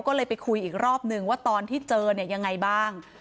ก็เลยไปคุยอีกรอบนึงว่าตอนที่เจอเนี่ยยังไงบ้าง